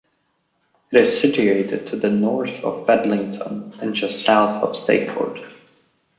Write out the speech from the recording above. It is situated to the north of Bedlington, and just south of Stakeford.